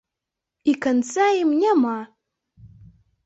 І канца ім няма!